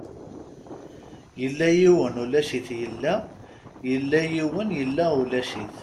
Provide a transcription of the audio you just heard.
Yella yiwen ulac-it yella, yella yiwen yella ulac-it.